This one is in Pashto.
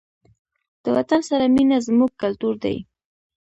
د وطن سره مینه زموږ کلتور دی.